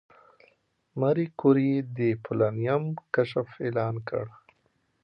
ماري کوري د پولونیم کشف اعلان کړ.